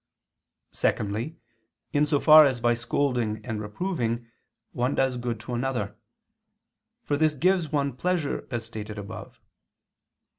Secondly, in so far as by scolding and reproving, one does good to another: for this gives one pleasure, as stated above.